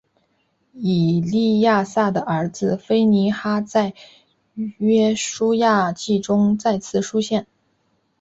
以利亚撒的儿子非尼哈在约书亚记中再次出现。